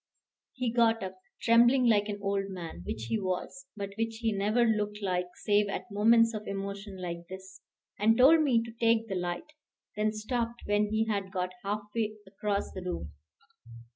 He got up, trembling like an old man, which he was, but which he never looked like save at moments of emotion like this, and told me to take the light; then stopped when he had got half way across the room.